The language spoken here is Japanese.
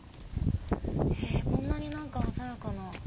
へぇこんなに鮮やかな。